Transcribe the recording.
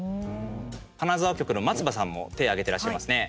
金沢局の松葉さんも手、挙げてらっしゃいますね。